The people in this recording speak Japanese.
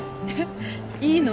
いいの？